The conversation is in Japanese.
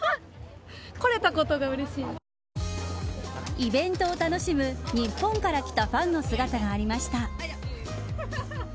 イベントを楽しむ日本から来たファンの姿がありました。